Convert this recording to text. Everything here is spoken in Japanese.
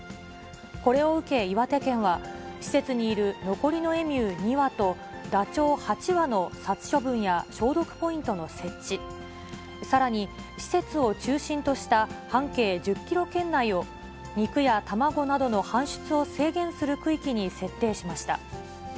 これを受け、岩手県は、施設にいる残りのエミュー２羽と、ダチョウ８羽の殺処分や消毒ポイントの設置、さらに施設を中心とした半径１０キロ圏内を、肉や卵などの搬出を制限する区域に設定しました。